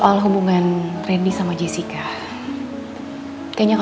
aku boleh masuk gak